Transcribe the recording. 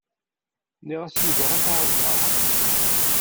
Nniɣ-as i Yuba ad t-ɛawneɣ.